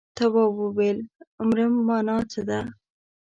تواب وويل: مرم مانا څه ده.